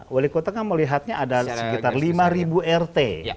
wali kota kan melihatnya ada sekitar lima rt